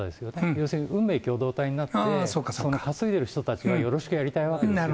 要するに運命共同体になって、稼いでる人たちとよろしくやりたいわけですよ。